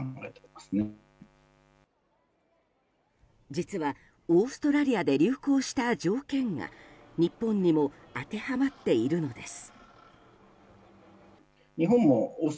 実は、オーストラリアで流行した条件が日本にも当てはまっているのです。